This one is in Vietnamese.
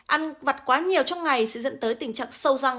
ăn vặt quá nhiều trong ngày sẽ dẫn tới tình trạng sâu răng